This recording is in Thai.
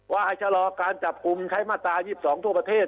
ว่าจะรอการจับคุมใช้มาตรา๒๒ทั่วประเทศ